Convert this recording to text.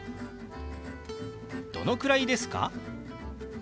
「どのくらいですか？」。